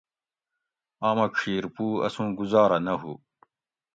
آمہ ڄھیر پُو اسوں گُزارہ نہ ہُو